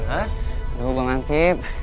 aduh bang ansib